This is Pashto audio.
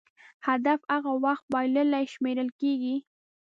هدف هغه وخت بایللی شمېرل کېږي.